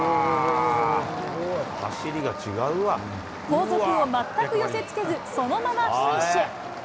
後続を全く寄せつけず、そのままフィニッシュ。